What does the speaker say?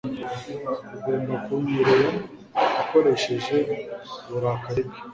Ugomba kunyerera ukoresheje uburakari bwe